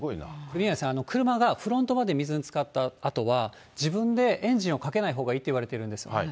宮根さん、車がフロントまで水につかったあとは、自分でエンジンをかけないほうがいいっていわれてるんです。